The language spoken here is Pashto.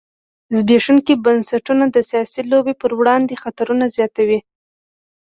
زبېښونکي بنسټونه د سیاسي لوبې پر وړاندې خطرونه زیاتوي.